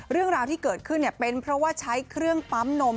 เรื่องราวที่เกิดขึ้นเป็นเพราะว่าใช้เครื่องปั๊มนม